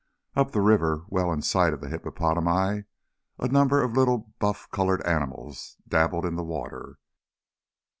Up the river and well in sight of the hippopotami, a number of little buff coloured animals dabbled in the water.